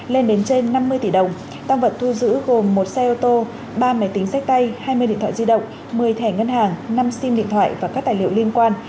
lên đến trên năm mươi tỷ đồng tăng vật thu giữ gồm một xe ô tô ba máy tính sách tay hai mươi điện thoại di động một mươi thẻ ngân hàng năm sim điện thoại và các tài liệu liên quan